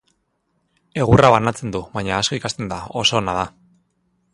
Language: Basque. Egurra banatzen du, baina asko ikasten da, oso ona da.